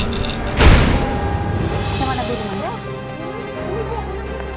dasar kau malah bodoh